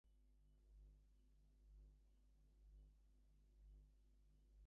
The party won five seats in National Congress.